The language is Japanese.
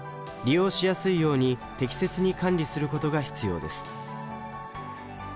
利用しやすいように適切に管理することが必要です。